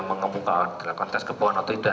mengemukakan tes kebohongan atau tidak